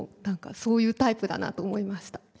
何かそういうタイプだなと思いました。